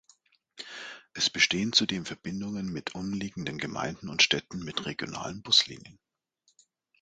Es bestehen zudem Verbindungen mit umliegenden Gemeinden und Städten mit regionalen Buslinien.